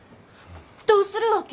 どうするわけ？